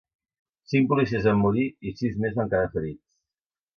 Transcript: Cinc policies van morir i sis més van quedar ferits.